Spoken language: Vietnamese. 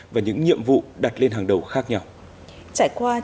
và những nhiệm vụ đặt lên hàng đầu khác nhau